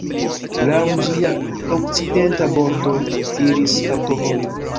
Laŭ ĝia okcidenta bordo iris aŭtovojo.